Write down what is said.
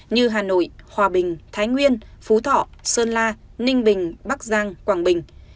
như hà nội hòa bình thái nguyên phú thọ sơn la ninh bình bắc giang quảng bình